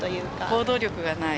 行動力がない。